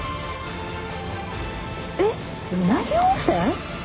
えっうなぎ温泉！？